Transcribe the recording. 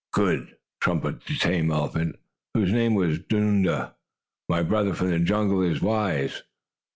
"Good!" trumpeted the tame elephant, whose name was Dunda. "My brother from the jungle is wise."